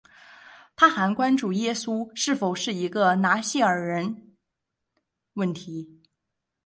它还关注耶稣是否是一个拿细耳人问题。